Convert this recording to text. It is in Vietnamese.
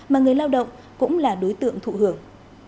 mà người lao động cũng là đối tượng thụ hưởng